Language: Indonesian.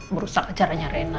merusak acaranya rena